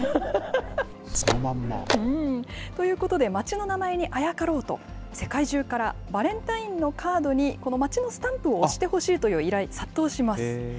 ということで、町の名前にあやかろうと、世界中からバレンタインのカードに、この町のスタンプを押してほしいという依頼、殺到します。